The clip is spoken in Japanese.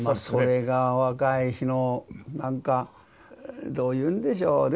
それが若い日のなんかどういうんでしょう。